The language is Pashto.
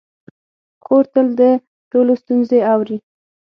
خور تل د ټولو ستونزې اوري.